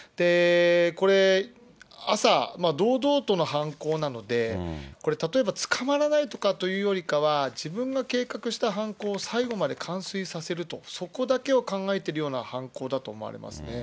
これ、朝、堂々との犯行なので、これ、例えば捕まらないとかってよりかは、自分が計画した犯行を最後まで完遂させると、そこだけを考えているような犯行だと思われますね。